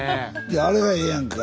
いやあれがええやんか。